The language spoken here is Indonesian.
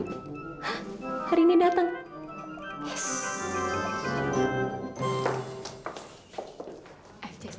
hah hari ini dateng